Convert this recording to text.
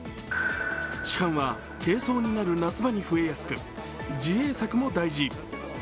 痴漢は軽装になる夏場に増えやすく自衛策も大事。